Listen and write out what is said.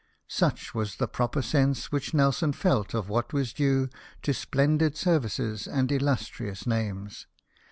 Such was the proper sense which Nelson felt of what was due to splendid .services and illustrious names.